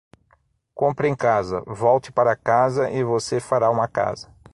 Compre em casa, volte para casa e você fará uma casa.